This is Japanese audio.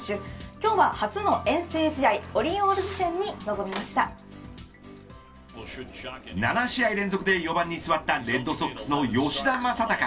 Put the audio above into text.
今日は初の遠征試合７試合連続で４番に座ったレッドソックスの吉田正尚。